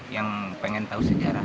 yang ingin tahu sejarah